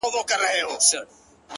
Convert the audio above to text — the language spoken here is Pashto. د چا د ويښ زړگي ميسج ننوت؛